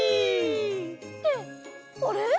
ってあれ？